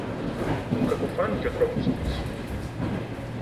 Μου κακοφάνηκε ο τρόπος της.